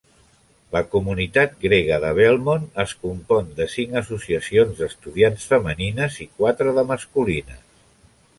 La comunitat grega de Belmont es compon de cinc associacions d'estudiants femenines i quatre de masculines.